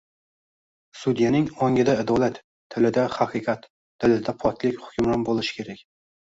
Sudyaning ongida adolat, tilida haqiqat, dilida poklik hukmron bo‘lishi kerak